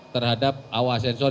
terhadap awal sensor